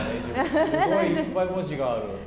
すごいいっぱい文字がある。